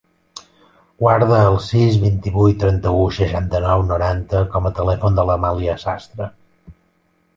Guarda el sis, vint-i-vuit, trenta-u, seixanta-nou, noranta com a telèfon de l'Amàlia Sastre.